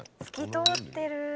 透き通ってる。